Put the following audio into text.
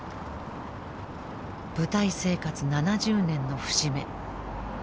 舞台生活７０年の節目。